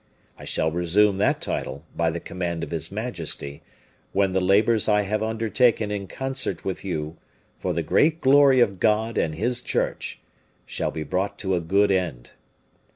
I shall resume that title by the command of his majesty, when the labors I have undertaken in concert with you, for the great glory of God and His Church, shall be brought to a good end.